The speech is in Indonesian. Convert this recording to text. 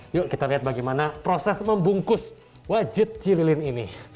yuk kita lihat bagaimana proses membungkus wajit cililin ini